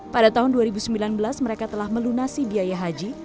pada tahun dua ribu sembilan belas mereka telah melunasi biaya haji